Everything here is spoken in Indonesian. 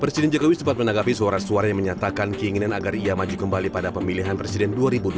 presiden jokowi sempat menanggapi suara suara yang menyatakan keinginan agar ia maju kembali pada pemilihan presiden dua ribu dua puluh